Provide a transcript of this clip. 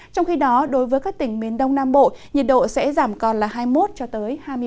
trong khi đó đối với các tỉnh miền đông nam bộ nhiệt độ sẽ giảm còn là hai mươi một cho tới hai mươi ba độ